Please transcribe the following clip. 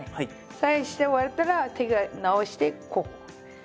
左右して終わったら手を直してここ。